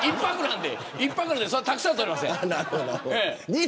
１泊なんでたくさんは取れません。